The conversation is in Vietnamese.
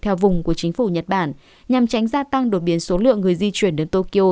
theo vùng của chính phủ nhật bản nhằm tránh gia tăng đột biến số lượng người di chuyển đến tokyo